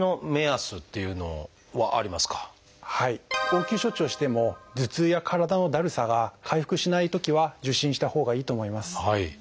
応急処置をしても頭痛や体のだるさが回復しないときは受診したほうがいいと思います。